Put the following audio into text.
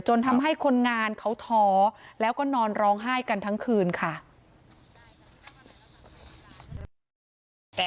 จนทำให้คนงานเขาท้อแล้วก็นอนร้องไห้กันทั้งคืนค่ะ